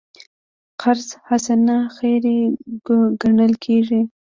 قرض حسنه خیر ګڼل کېږي.